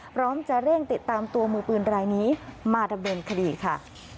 พร้อมจะเร่งติดตามตัวมือปืนรายนี้มาดำเนินคดีค่ะ